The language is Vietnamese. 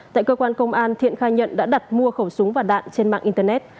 tại cơ quan công an thiện khai nhận đã đặt mua khẩu súng và đạn trên mạng internet